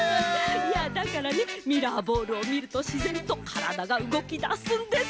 いやだからねミラーボールをみるとしぜんとからだがうごきだすんです。